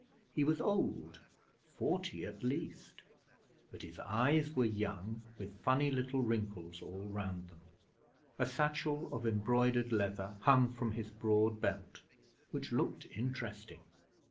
He was old forty at least but his eyes were young, with funny little wrinkles all round them. A satchel of embroidered leather hung from his broad belt, which looked interesting.